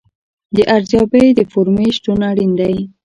د ارزیابۍ د فورمې شتون اړین دی.